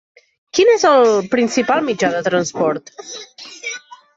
Quin és el principal mitjà de transport?